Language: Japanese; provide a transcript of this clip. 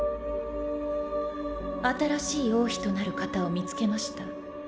新しい王妃となる方を見つけました